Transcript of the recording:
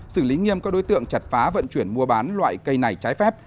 xử lý nghiêm các đối tượng chặt phá vận chuyển mua bán loại cây này trái phép